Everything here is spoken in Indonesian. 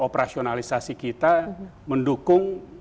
operasionalisasi kita mendukung